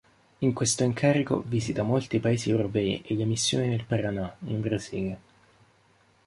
In questo incarico visita molti paesi europei e le missioni nel Paranà, in Brasile.